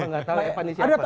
enggak tahu epan ini siapa